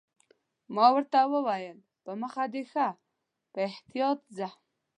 ما ورته وویل: په مخه دې ښه، په احتیاط ځه.